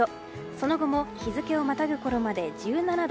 その後も日付をまたぐごろまで１７度。